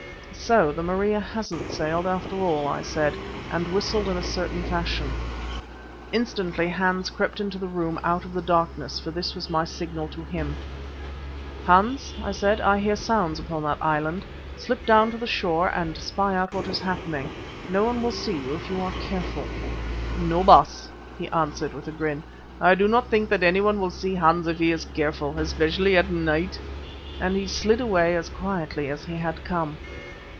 "So the Maria hasn't sailed after all," I said, and whistled in a certain fashion. Instantly Hans crept into the room out of the darkness, for this was my signal to him. "Hans," I said, "I hear sounds upon that island. Slip down to the shore and spy out what is happening. No one will see you if you are careful." "No, Baas," he answered with a grin, "I do not think that anyone will see Hans if he is careful, especially at night," and he slid away as quietly as he had come.